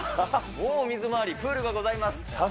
もう水回り、プールがございます。